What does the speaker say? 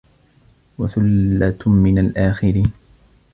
وَثُلَّةٌ مِنَ الآخِرينَ